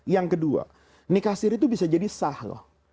yang kedua nikah sir itu bisa jadi sah loh